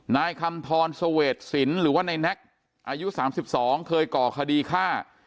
นายคำทรเสวดศิลป์หรือว่านายแน็กอายุ๓๒เคยก่อคดีฆ่า